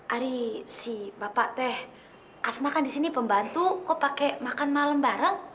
ari si bapak teh asma kan disini pembantu kok pake makan malam bareng